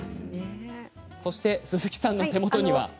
そして鈴木さんの手元には。